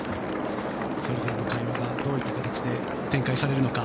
それぞれの会話がどういった形で展開されるのか。